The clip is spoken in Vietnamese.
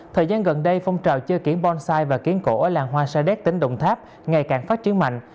thời gian gần đây phong trào chơi kiển bonsai và kiến cổ ở làng hoa sa đéc tỉnh đồng tháp ngày càng phát triển mạnh